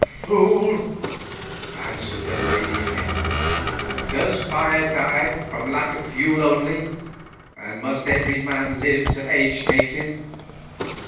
"Fool!" answered the lady again, "does fire die from lack of fuel only, and must every man live till age takes him?